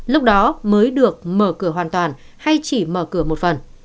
lúc đó mới được mở cửa hoàn toàn hay chỉ mở cửa một phần